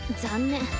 残念。